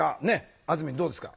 あずみんどうですか？